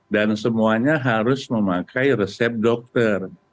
dan semuanya harus memakai resep dokter